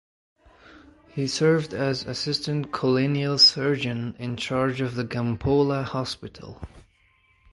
He served as assistant Colonial Surgeon in charge of the Gampola Hospital.